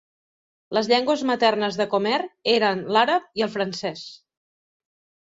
Les llengües maternes de Comair eren l'àrab i el francès.